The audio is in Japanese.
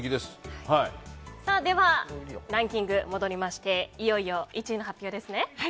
では、ランキング戻りましていよいよ１位の発表ですね。